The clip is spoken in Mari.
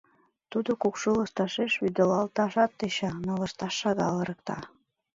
Тудо кукшу лышташеш вӱдылалташат тӧча, но лышташ шагал ырыкта.